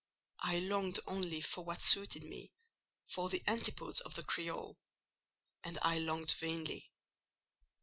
I longed only for what suited me—for the antipodes of the Creole: and I longed vainly.